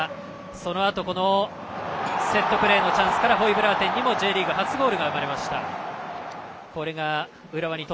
そのあとセットプレーのチャンスからホイブラーテンにもＪリーグ初ゴールが生まれました。